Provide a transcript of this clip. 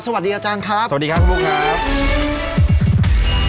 สวัสดีอาจารย์ครับสวัสดีครับคุณบุ๊คครับ